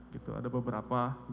gitu ada beberapa